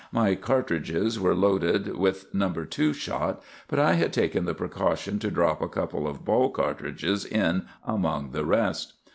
My cartridges were loaded with No. 2 shot, but I had taken the precaution to drop a couple of ball cartridges in among the rest.